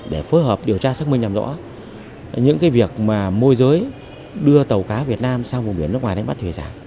để phối hợp điều tra xác minh làm rõ những việc mà môi giới đưa tàu cá việt nam sang vùng biển nước ngoài đánh bắt thủy sản